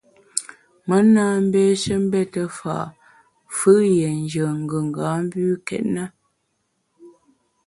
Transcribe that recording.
Me na mbeshe mbete fa’ fù’ yie nyùen gùnga mbükét na.